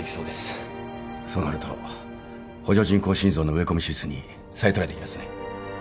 そうなると補助人工心臓の植え込み手術に再トライできますね。